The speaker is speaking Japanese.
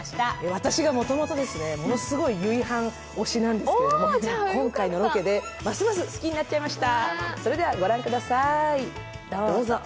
私がもともと、ものすごいゆいはん推しなんですけど、今回のロケで、ますます好きになっちゃいました。